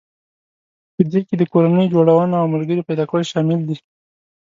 په دې کې د کورنۍ جوړونه او ملګري پيدا کول شامل دي.